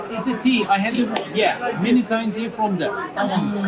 ini adalah teh